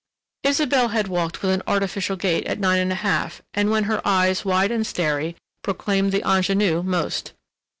Isabelle had walked with an artificial gait at nine and a half, and when her eyes, wide and starry, proclaimed the ingenue most.